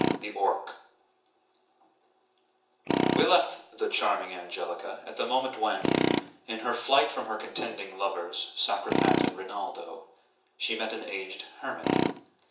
THE ORC We left the charming Angelica at the moment when, in her flight from her contending lovers, Sacripant and Rinaldo, she met an aged hermit.